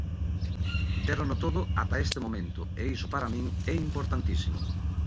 Dérono todo ata este momento e iso para min é importantísimo.